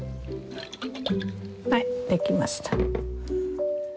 はい出来ました。